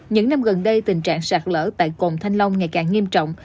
những năm gần đây tình trạng sạt lở tại cồn thanh long ngày càng nghiêm trọng